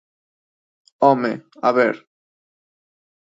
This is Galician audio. Home! A ver...